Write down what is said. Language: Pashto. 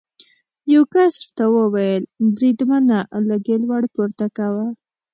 یو کس راته وویل: بریدمنه، لږ یې لوړ پورته کوه.